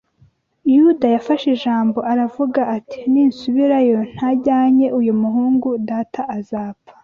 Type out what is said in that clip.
Yuda yafashe ijambo aravuga ati ninsubirayo ntajyanye uyu muhungu data azapfa